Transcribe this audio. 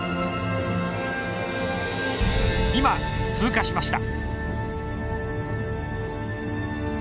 今通過しました